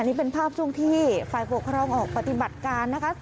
นี่เป็นภาพช่วงที่ฝ่ายปกครองออกปฏิบัติการนะคะ